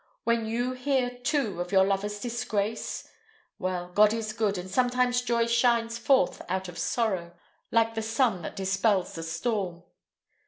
When you hear, too, of your lover's disgrace! Well, God is good, and sometimes joy shines forth out of sorrow, like the sun that dispels the storm."